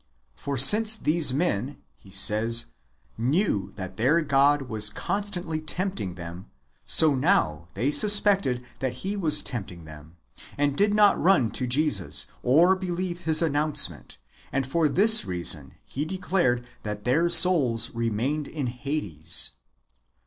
For since these men, he says, knew that their God was constantly tempting them, so now they suspected that He was tempting them, and did not run to Jesus, or believe His announce ment: and for this reason he declared that their souls remained in Hades.